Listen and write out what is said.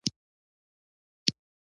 دوه چتونه يې لرل.